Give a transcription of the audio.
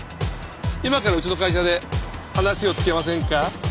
今からうちの会社で話をつけませんか？